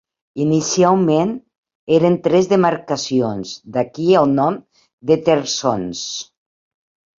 Inicialment eren tres demarcacions, d'aquí el nom de terçons: